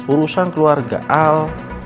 urusan keluarga al